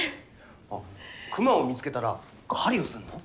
あっ熊を見つけたら狩りをするの？